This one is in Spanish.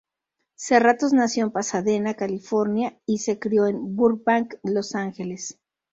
Serratos nació en Pasadena, California y se crió en Burbank, Los Ángeles.